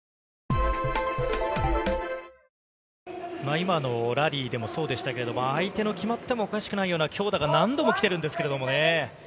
今のラリーでもそうでしたけれども、相手の決まっておかしくない強打が何度も来てるんですけどね。